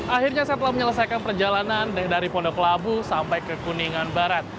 akhirnya saya telah menyelesaikan perjalanan dari pondok labu sampai ke kuningan barat